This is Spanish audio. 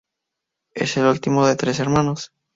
Es el último de tres hermanos.